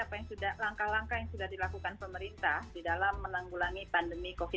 apa yang sudah langkah langkah yang sudah dilakukan pemerintah di dalam menanggulangi pandemi covid sembilan belas